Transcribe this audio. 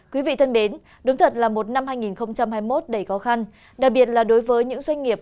quý vị thân mến đúng thật là một năm hai nghìn hai mươi một đầy khó khăn đặc biệt là đối với những doanh nghiệp